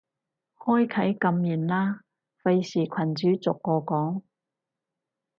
開啟禁言啦，費事群主逐個講